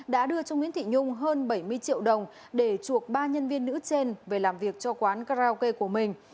đã đưa cho nguyễn thị nhung hơn bảy mươi triệu đồng để chuộc ba nhân viên nữ trên về làm việc cho quán karaoke của mình